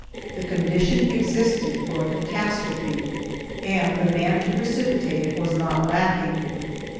The condition existed for a catastrophe, and the man to precipitate it was not lacking.